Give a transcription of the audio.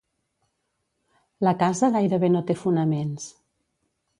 La casa gairebé no té fonaments.